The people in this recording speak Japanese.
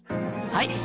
はい！